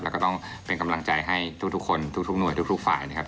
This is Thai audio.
แล้วก็ต้องเป็นกำลังใจให้ทุกคนทุกหน่วยทุกฝ่ายนะครับ